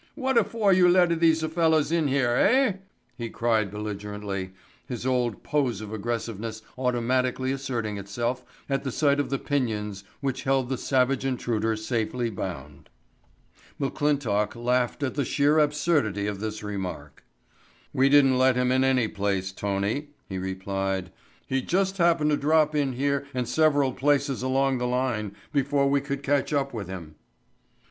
"Whatafor you leta theese fella in here, eh?" he cried belligerently, his old pose of aggressiveness automatically asserting itself at the sight of the pinions which held the savage intruder safely bound. McClintock laughed at the sheer absurdity of this remark. "We didn't let him in any place, Tony," he replied. "He just happened to drop in here and several places along the line before we could catch up with him."